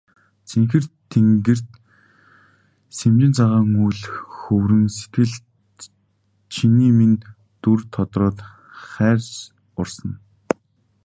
Цэнхэр тэнгэрт сэмжин цагаан үүл хөврөн сэтгэлд чиний минь дүр тодроод хайр урсана.